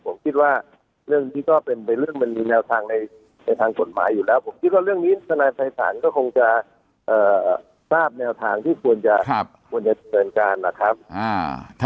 ผมคิดว่าเรื่องนี้ก็เป็นเรื่องมันมีแนวทางในทางกฎหมายอยู่แล้วผมคิดว่าเรื่องนี้ทนายภัยศาลก็คงจะทราบแนวทางที่ควรจะควรจะเดินการนะครับ